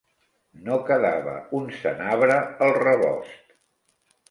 No quedava un senabre al rebost.